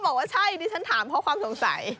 ไม่ได้ที่ฉันถามเพราะความสงสัย